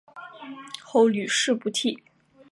后屡试不第。